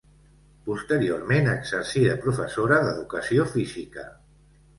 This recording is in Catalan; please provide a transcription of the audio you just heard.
Posteriorment exercí de professora d'educació física.